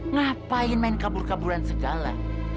ngapain main kabur kaburan segala